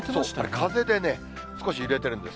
風でね、少し揺れてるんです。